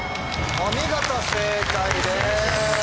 お見事正解です。